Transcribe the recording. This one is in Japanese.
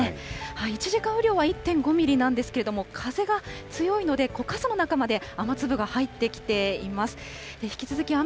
１時間雨量は１．５ミリなんですけれども、風が強いので、傘の中まで雨粒が入ってきています。